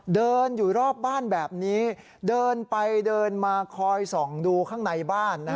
เดินอยู่รอบบ้านแบบนี้เดินไปเดินมาคอยส่องดูข้างในบ้าน